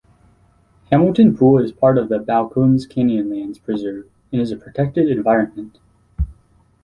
Hamilton Pool is part of the Balcones Canyonlands Preserve and is a protected environment.